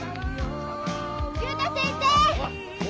竜太先生！